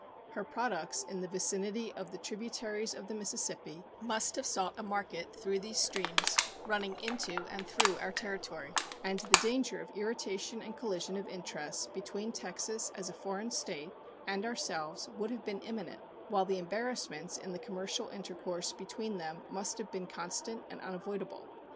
Her products in the vicinity of the tributaries of the Mississippi must have sought a market through these streams, running into and through our territory, and the danger of irritation and collision of interests between Texas as a foreign state and ourselves would have been imminent, while the embarrassments in the commercial intercourse between them must have been constant and unavoidable.